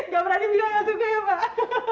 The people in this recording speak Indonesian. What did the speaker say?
gak berani bilang yang suka ya pak